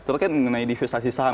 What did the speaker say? terkait mengenai diversasi saham